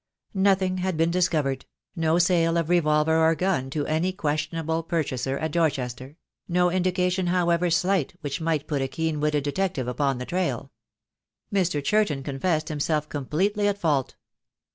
Nothing had been discovered; no sale of re volver or gun to any questionable purchaser at Dorchester; no indication however slight which might put a keen witted detective upon the trail. Mr. Churton confessed himself completely at fault.